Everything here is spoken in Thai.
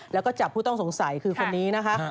แล้วก็จับผู้ต้องสงสัยคือคนนี้นะคะ